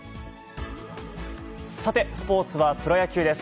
さて、スポーツはプロ野球です。